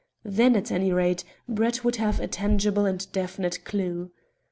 Then, at any rate, Brett would have a tangible and definite clue.